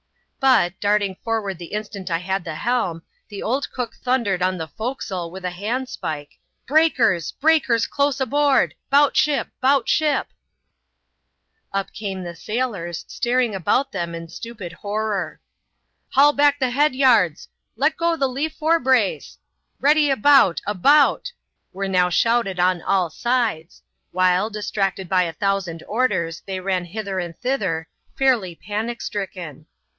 But, darting forward the instant I had the helm, the old cook thundered on the forecastle with a handspike, "Breakers! breakers close aboard !— 'bout ship ! 'bout ship !" Up came the sailors, staring about them in stupid horror. Haul back the head yards !"" Let go the lee fore brace !"" Ready about ! about !" were now shouted on all sides ; while, distracted by a thousand orders, they ran hither and thither, fiurly panic stricken.